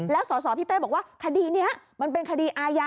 แล้วสสพี่เต้บอกว่าคดีนี้มันเป็นคดีอาญา